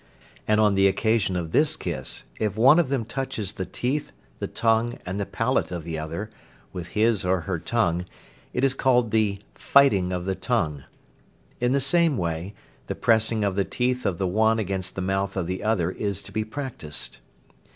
And on the occasion of this kiss, if one of them touches the teeth, the tongue, and the palate of the other, with his or her tongue, it is called the "fighting of the tongue." In the same way, the pressing of the teeth of the one against the mouth of the other is to be practised.